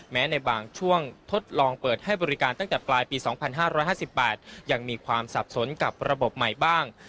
ในบางช่วงทดลองเปิดให้บริการตั้งแต่ปลายปี๒๕๕๘ยังมีความสับสนกับระบบใหม่บ้าง